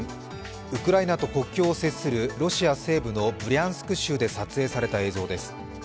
ウクライナと国境を接するロシア西部のブリャンスク州で撮影された映像です。